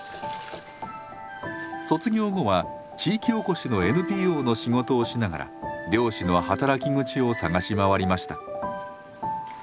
卒業後は地域おこしのＮＰＯの仕事をしながら漁師の働き口を探し回りました。